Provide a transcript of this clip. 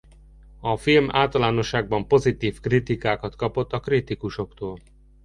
A film általánosságban pozitív kritikákat kapott a kritikusoktól.